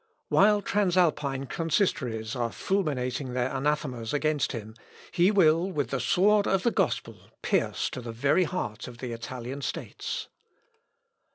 While Transalpine consistories are fulminating their anathemas against him, he will, with the sword of the gospel, pierce to the very heart of the Italian states.